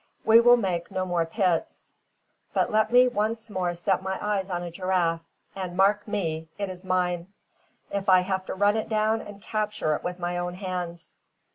We will make no more pits; but let me once more set my eyes on a giraffe and, mark me, it is mine, if I have to run it down and capture it with my own hands."